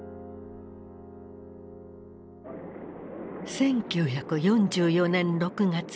１９４４年６月。